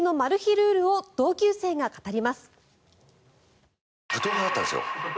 ルールを同級生が語ります。